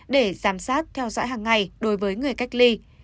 để giám sát theo dõi hàng ngày đối với người cách ly